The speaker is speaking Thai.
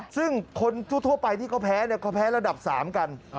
ซึ่งคนทั่วไปที่เขาแพ้เขาแพ้ระดับ๓กัน